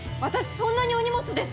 そんなにお荷物ですか！？